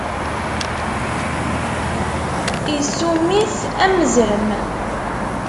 Isum-it, am uzrem.